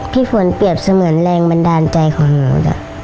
พี่ฝนเปรียบเสมือนแรงบันดาลใจของหนูจ้ะ